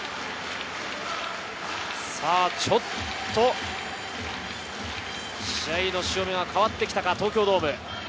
ちょっと試合の潮目が変わってきたか、東京ドーム。